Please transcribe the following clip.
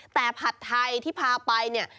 แต่ผัดไทยที่พาไปเนี่ย